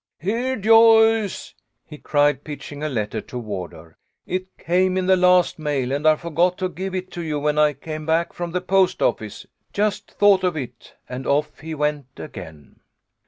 " Here, Joyce," he cried, pitching a letter toward her. " It came in the last mail, and I forgot to give it to you when I came back from the post office. Just thought of it," and off he went again.